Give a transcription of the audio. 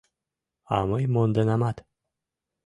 А мый монденамат.